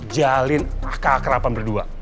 jalin akra akrapan berdua